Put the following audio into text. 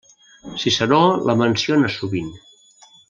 Ciceró la menciona sovint.